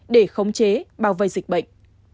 để khống chế bảo vệ dịch bệnh